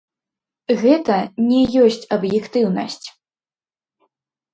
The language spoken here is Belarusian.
Гэта не ёсць аб'ектыўнасць.